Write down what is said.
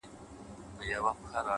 مثبت ذهن پر حل تمرکز ساتي,